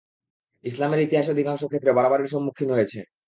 ইসলামের ইতিহাস অধিকাংশ ক্ষেত্রে বাড়াবাড়ির সম্মুখীন হয়ছে।